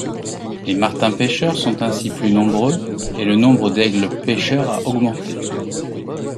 Les martins-pêcheurs sont ainsi plus nombreux, et le nombre d'aigles pêcheurs a augmenté.